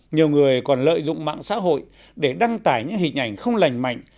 nhiều người còn lợi dụng mạng xã hội để đăng tải những hình ảnh không lành mạnh